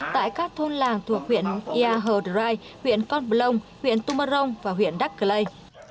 tại các thôn làng thuộc huyện yaho drive huyện con blong huyện tumarong và huyện duckley